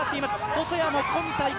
細谷も今大会